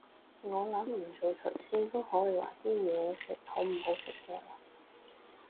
我諗唔做廚師都可以話啲嘢食好唔好食嘅